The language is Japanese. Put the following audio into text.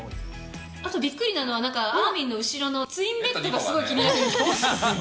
あとびっくりなのはなんか、あーみんの後ろのツインベッドがすごい気になる。